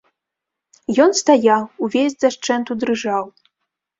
Ён стаяў, увесь дашчэнту дрыжаў.